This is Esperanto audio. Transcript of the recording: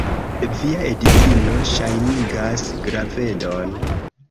Via edzino ŝajnigas gravedon.